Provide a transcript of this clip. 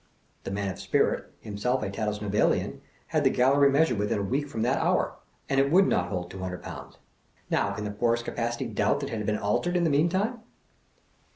The man of spirit (himself a Tattlesnivellian) had the Gallery measured within a week from that hour, and it would not hold two hundred pounds ! Now, can the poorest capacity doubt that it had been altered in the mean time?